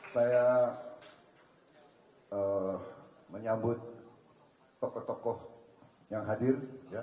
saya menyambut tokoh tokoh yang hadir